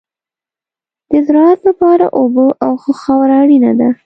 د زراعت لپاره اوبه او ښه خاوره اړینه ده.